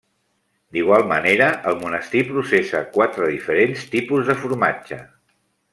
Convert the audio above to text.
D'igual manera, el monestir processa quatre diferents tipus de formatge.